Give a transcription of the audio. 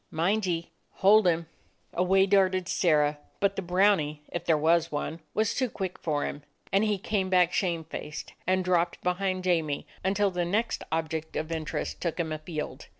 Mind ye hold him!" Away darted Sirrah, but the brownie, if there was one, was too quick for him, and he came back, shamefaced, and dropped behind Jamie, until the next object of interest took him afield.